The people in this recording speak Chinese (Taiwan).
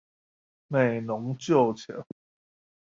美濃舊橋